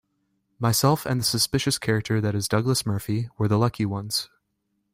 Myself and the suspicious character that is Douglas Murphy were the lucky ones.